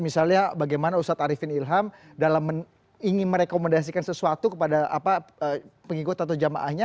misalnya bagaimana ustadz arifin ilham dalam ingin merekomendasikan sesuatu kepada pengikut atau jamaahnya